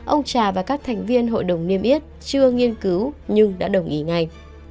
ông trà và các thành viên hội đồng niêm yết chưa nghiên cứu nhưng đã đồng ý ngay